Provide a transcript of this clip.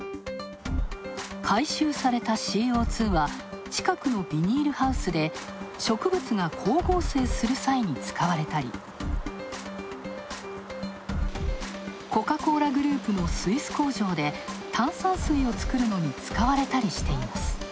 回収されたＣＯ２は近くのビニールハウスで植物が光合成する際に使われたり、コカ・コーラグループのスイス工場で炭酸水を作るのに使われたりしています。